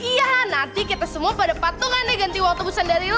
iya nanti kita semua pada patungan deh ganti waktu busan dari lo